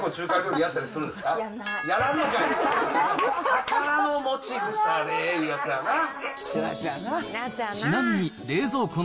宝の持ち腐れいうやつやな。